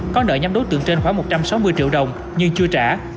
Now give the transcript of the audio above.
có nợ nhắm đối tượng trên khoảng một trăm sáu mươi triệu đồng nhưng chưa trả